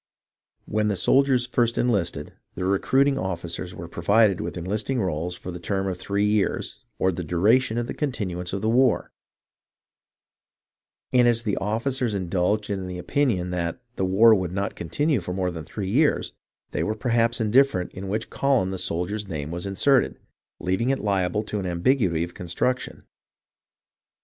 When the soldiers first enlisted, the recruiting officers were provided with enlisting rolls for the term of three years, or during the continuance of the war ; and as the officers indulged the opinion that the war would not continue more than three years, they were perhaps indifferent in which column the soldier's name was inserted, leaving it liable to an ambiguity of construction.